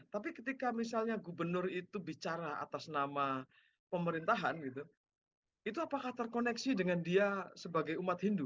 tapi ketika misalnya gubernur itu bicara atas nama pemerintahan gitu itu apakah terkoneksi dengan dia sebagai umat hindu